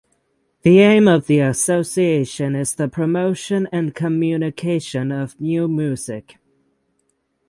The aim of the association is the promotion and communication of Neue Musik.